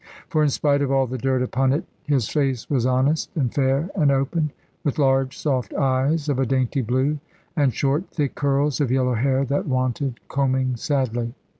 For in spite of all the dirt upon it, his face was honest, and fair, and open, with large soft eyes of a dainty blue, and short thick curls of yellow hair that wanted combing sadly.